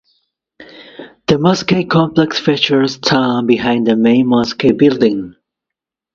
The mosque complex features tomb behind the main mosque building.